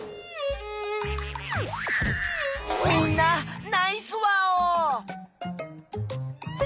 みんなナイスワオ！